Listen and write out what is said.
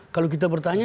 kalau kita bertanya